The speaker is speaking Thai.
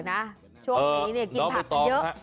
เออช่วงนี้กินผักเยอะ